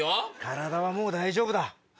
体はもう大丈夫だ。